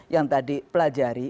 yang tadi pelajari